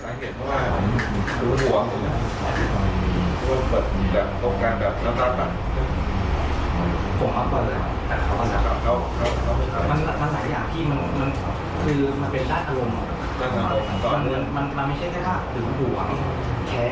นี่ทำได้ก็มีแบบเยอะเลย